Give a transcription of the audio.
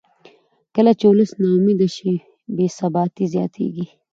کله چې ولس نا امیده شي بې ثباتي زیاتېږي